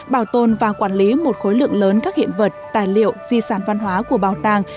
bảo tồn và quản lý một khối lượng lớn các hiện vật tài liệu di sản văn hóa của bảo tàng